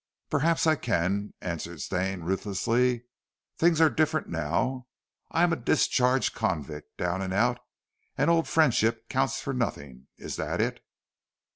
"Perhaps I can," answered Stane ruthlessly. "Things are different now. I am a discharged convict, down and out, and old friendship counts for nothing. Is that it?"